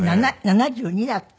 ７２だって？